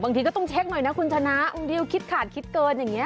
บางทีก็ต้องเช็คหน่อยนะคุณชนะบางทีคิดขาดคิดเกินอย่างนี้